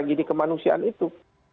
nah ini adalah kemanusiaan itu